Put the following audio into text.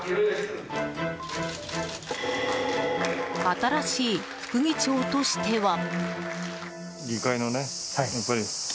新しい副議長としては。